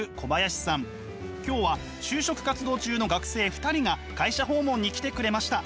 今日は就職活動中の学生２人が会社訪問に来てくれました。